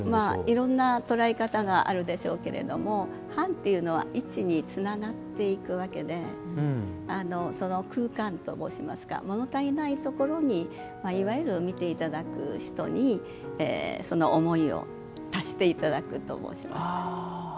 いろんな捉え方があるでしょうけど半というのは１につながっていくわけでその空間と申しますかもの足りないところにいわゆる見ていただく人にその思いを足していただくと申しますか。